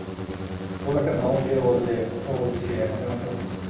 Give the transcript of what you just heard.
খুব একটা ধমক দিয়ে বললে, ওঠো বলছি, এখনই ওঠো!